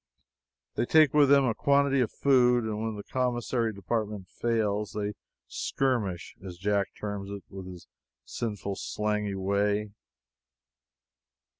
They take with them a quantity of food, and when the commissary department fails they "skirmish," as Jack terms it in his sinful, slangy way.